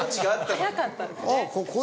早かったですね。